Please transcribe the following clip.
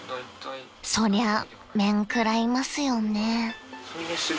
［そりゃ面食らいますよね］